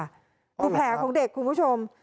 อ้อเหรอครับคือแผลของเด็กคุณผู้ชม